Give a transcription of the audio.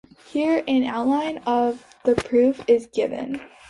Here an outline of the proof is given.